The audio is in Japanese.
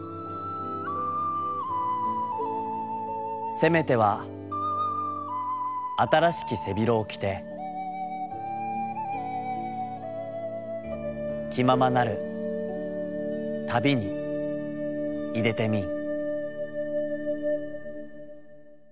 「せめては新しき背広をきてきままなる旅にいでてみん」。